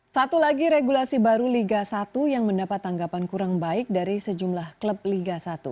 satu lagi regulasi baru liga satu yang mendapat tanggapan kurang baik dari sejumlah klub liga satu